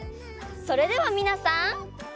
それではみなさん。